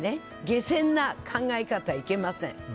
下賤な考え方、いけません。